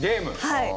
はい。